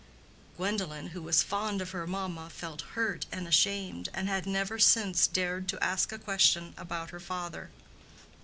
Gwendolen, who was fond of her mamma, felt hurt and ashamed, and had never since dared to ask a question about her father.